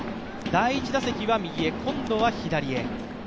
第１打席は右へ、今度は左へ。